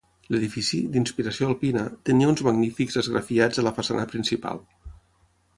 L'edifici, d'inspiració alpina, tenia uns magnífics esgrafiats a la façana principal.